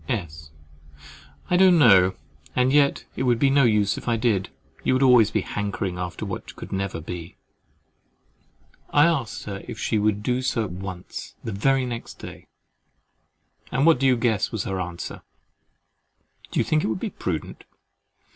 "S. I don't know: and yet it would be of no use if I did, you would always be hankering after what could never be!" I asked her if she would do so at once—the very next day? And what do you guess was her answer—"Do you think it would be prudent?"